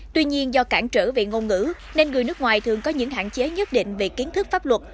tuy nhiên do cản trở về ngôn ngữ nên người nước ngoài thường có những hạn chế nhất định về kiến thức pháp luật